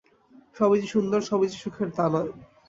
সবই যে সুন্দর, সবই যে সুখের তা নয়।